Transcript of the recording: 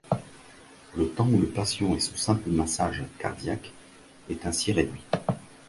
Le temps où le patient est sous simple massage cardiaque est ainsi réduit.